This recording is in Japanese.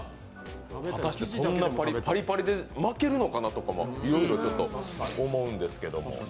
果たしてそんなパリパリで巻けるのかなとかも思うんですけど。